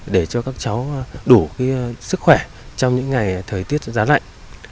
để cho các cháu đủ sức khỏe trong những ngày thời tiết giá lạnh